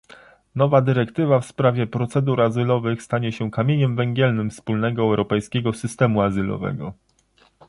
Nowa dyrektywa w sprawie procedur azylowych stanie się kamieniem węgielnym wspólnego europejskiego systemu azylowego